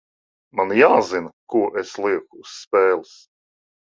Man jāzina, ko es lieku uz spēles.